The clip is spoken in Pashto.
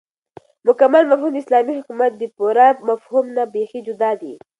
مكمل مفهوم داسلامي حكومت دپوره مفهوم نه بيخي جدا دى